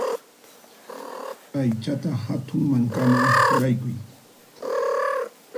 Aychataqa hatun mankaman churaykuy.